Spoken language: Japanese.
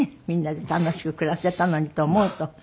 みんなで楽しく暮らせたのにと思うと。